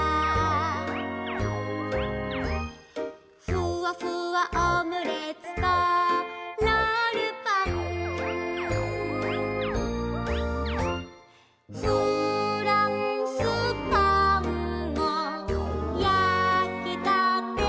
「ふわふわオムレツとロールパン」「フランスパンも焼きたてだ」